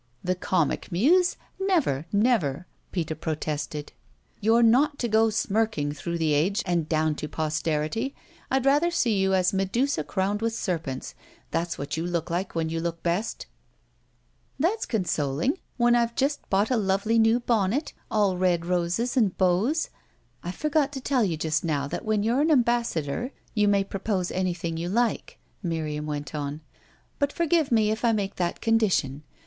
"The Comic Muse? Never, never," Peter protested. "You're not to go smirking through the age and down to posterity I'd rather see you as Medusa crowned with serpents. That's what you look like when you look best." "That's consoling when I've just bought a lovely new bonnet, all red roses and bows. I forgot to tell you just now that when you're an ambassador you may propose anything you like," Miriam went on. "But forgive me if I make that condition.